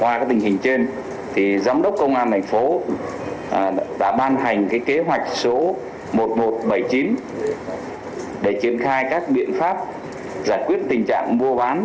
qua tình hình trên giám đốc công an thành phố đã ban hành kế hoạch số một nghìn một trăm bảy mươi chín để triển khai các biện pháp giải quyết tình trạng mua bán